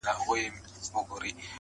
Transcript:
o د سپي په غپ پسي مه ځه.